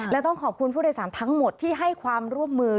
และต้องขอบคุณผู้โดยสารทั้งหมดที่ให้ความร่วมมือ